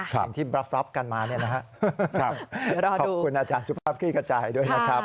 ขอบคุณอาจารย์สุภาพคลี่กระจายด้วยนะครับ